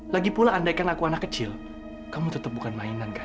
lagi pula andaikan aku anak kecil kamu tetap bukan mainan kan